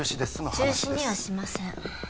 中止にはしません